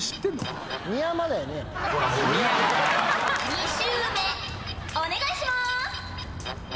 ２周目お願いします。